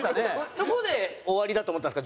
どこで終わりだと思ったんですか？